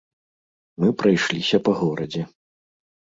Мы прайшліся па горадзе.